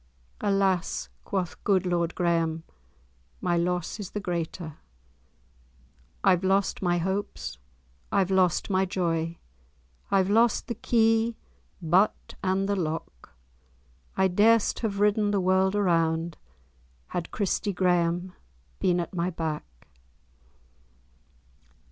"Alas," quoth good Lord Graeme, "my loss is the greater. 'I've lost my hopes, I've lost my joy, I've lost the key, but and the lock; I durst have ridden the world around, Had Christie Graeme been at my back!